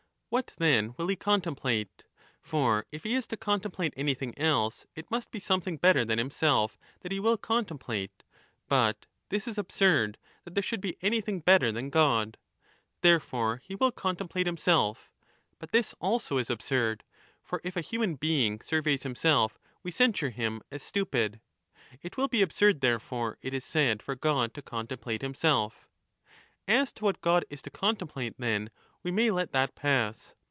What, then, will he con template ? For if he is to contemplate anything else, it must be something better than himself that he will con template. But this is absurd, that there should be any thing better than God. Therefore he will contemplate 5 himself. But this also is absurd. For if a human being surveys himself, we censure him as stupid. It will be absurd therefore, it is said, for God to contemplate himself. As to what God is to contemplate, then, we may let that pass.